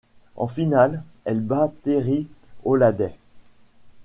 En finale, elle bat Terry Holladay.